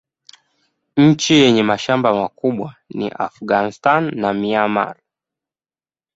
Nchi yenye mashamba makubwa ni Afghanistan na Myanmar.